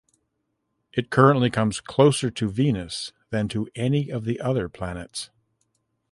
It currently comes closer to Venus than to any of the other planets.